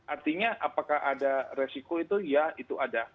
artinya apakah ada resiko itu ya itu ada